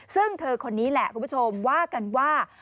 ซึ่งเธอคนนี้แหละคุณผู้ชมว่ากันว่า